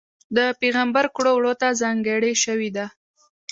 د پېغمبر کړو وړوته ځانګړې شوې ده.